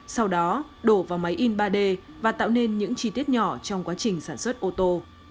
sau đó đổ vào máy in ba d và tạo nên những chi tiết nhỏ trong quá trình sản xuất ô tô